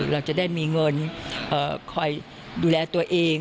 เราจะได้มีเงินคอยดูแลตัวเอง